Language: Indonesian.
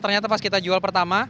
ternyata pas kita jual pertama